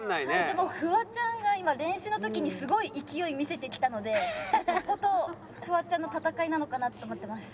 でもフワちゃんが今練習の時にすごい勢い見せてきたのでこことフワちゃんの戦いなのかなって思ってます。